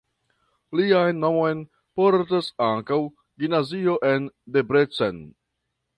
Lian nomon portas ankaŭ gimnazio en Debrecen.